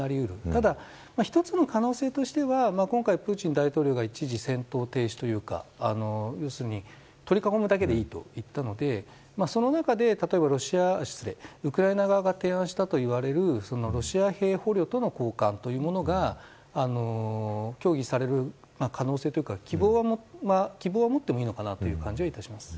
ただ、１つの可能性としては今回プーチン大統領が一時戦闘停止というか要するに取り囲むだけでいいと言ったのでその中で、例えばウクライナ側が提案したといわれるロシア兵捕虜との交換というものが協議される可能性というか希望は持ってもいいのかなという感じは致します。